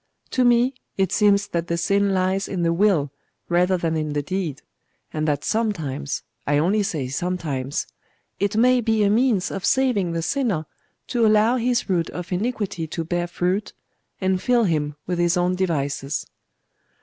To me it seems that the sin lies in the will rather than in the deed, and that sometimes I only say sometimes it may be a means of saving the sinner to allow his root of iniquity to bear fruit, and fill him with his own devices.